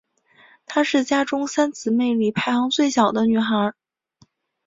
她是家中三姊妹里排行最小的女孩。